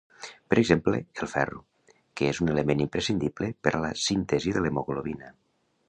Per exemple, el ferro, que és un element imprescindible per a la síntesi de l'hemoglobina.